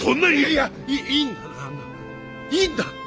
いやいいんだ旦那。